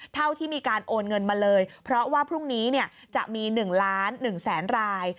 เท่าที่มีการโอนเงินมาเลยเพราะว่าพรุ่งนี้จะมี๑ล้าน๑แสนราย